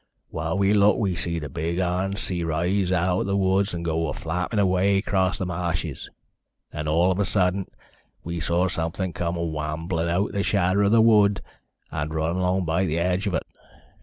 While we looked we seed a big harnsee rise out o' th' woods and go a flappin' away across th' ma'shes. Then all of a suddint we saw somefin' come a wamblin' outer the shadder o' the wood, and run along by th' edge of ut.